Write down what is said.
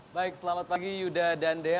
baik selamat pagi yuda dan dea